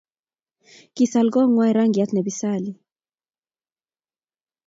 Kisaal kongwai rangyat ne bisali